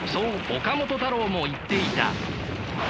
岡本太郎も言っていた。